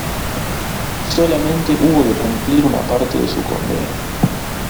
Solamente hubo de cumplir una parte de su condena.